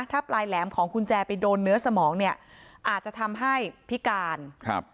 ถ้าปลายแหลมของกุญแจไปโดนเนื้อสมองเนี่ยอาจจะทำให้พิการครับ